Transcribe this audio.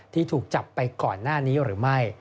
ที่ถูกจับไปก่อนหน้านี้หรือไม่